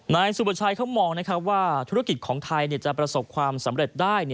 นายสุประชัยเขามองว่าธุรกิจของไทยจะประสบความสำเร็จได้